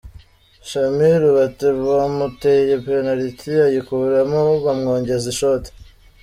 Shamiru Bate bamuteye penaliti ayikuramo bamwongeza ishoti.